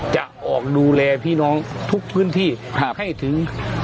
จะออกดูแลพี่น้องทุกพื้นที่ให้ถึง